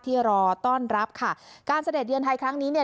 ที่รอต้อนรับค่ะการเสด็จเยียนไทยครั้งนี้